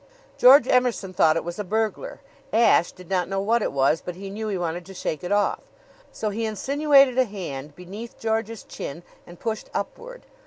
George Emerson thought it was a burglar. Ashe did not know what it was, but he knew he wanted to shake it off; so he insinuated a hand beneath George's chin and pushed upward.